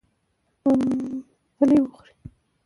ممپلي و خورئ.